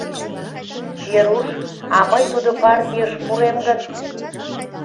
— Веруш, а мый тудо партийыш пурем гын?